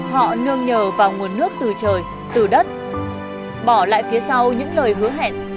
họ nương nhờ vào nguồn nước từ trời từ đất bỏ lại phía sau những lời hứa hẹn